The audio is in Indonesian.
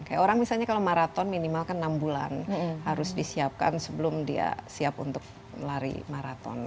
kayak orang misalnya kalau maraton minimal kan enam bulan harus disiapkan sebelum dia siap untuk lari maraton